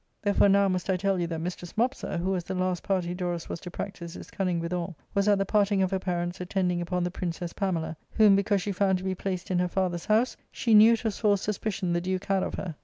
Therefore now must I tell you that mistress Mopsa, who was the last party Dorus was to practise his cunning withal, was at the parting of her parents attending upon the Princess Pamela, whom, because she found to be placed in her father's house, she knew it was for suspicion the duke had of her.